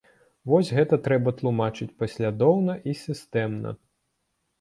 Вось гэта трэба тлумачыць, паслядоўна і сістэмна.